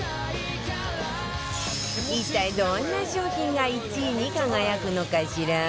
一体どんな商品が１位に輝くのかしら？